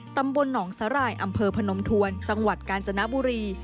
ตำบลหนองสาหร่ายอำเภอพนมทวนจังหวัดกาญจนบุรี